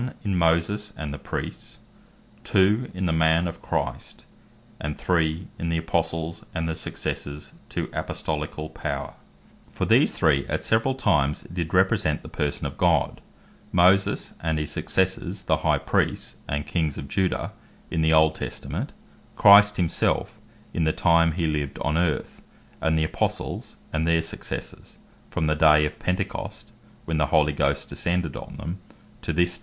in Moses, and the Priests; 2. in the man Christ; and 3. in the Apostles and the successors to Apostolicall power. For these three at several times did represent the person of God: Moses, and his successors the High Priests, and Kings of Judah, in the Old Testament: Christ himself, in the time he lived on earth: and the Apostles, and their successors, from the day of Pentecost (when the Holy Ghost descended on them) to this day.